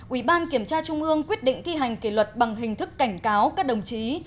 ủy ban kiểm tra trung ương quyết định thi hành kỷ luật bằng hình thức cảnh cáo các đồng chí